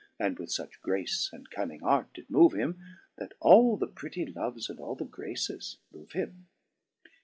And with fuch grace and cunning arte did moove him. That all the pritty Loves and all the Graces love him.